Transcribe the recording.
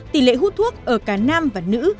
tỉ lệ hút thuốc ở cả nam và nữ